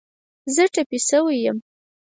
زه ټپې شوی یم